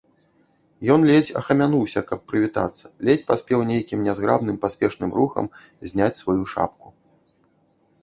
Ён ледзь ахамянуўся, каб прывітацца, ледзь паспеў нейкім нязграбным паспешным рухам зняць сваю шапку.